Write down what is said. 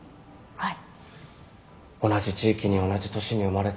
はい。